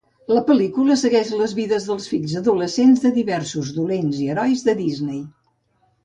La pel·lícula segueix les vides dels fills adolescents de diversos dolents i herois de Disney.